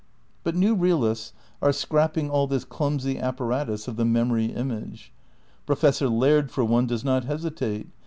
But new realists are scrapping all this clumsy ap paratus of the memory image. Professor Laird, for one, does not hesitate.